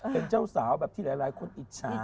เป็นเจ้าสาวแบบที่หลายคนอิจฉา